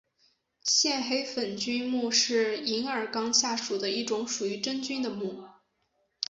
线黑粉菌目是银耳纲下属的一种属于真菌的目。